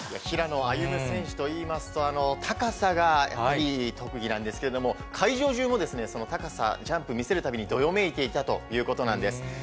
平野歩夢選手といいますと、高さがやはり得意なんですけれども、会場も、その高さ、ジャンプ見せるたびにどよめいていたということなんです。